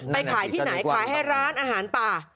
ไปขายที่ไหนขายให้ร้านอาหารป่า